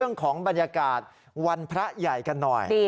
เรื่องของบรรยากาศวันพระใหญ่กันหน่อย